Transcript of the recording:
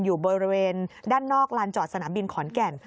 อยู่บริเวณด้านนอกลานจอดสนามบินขอนแก่น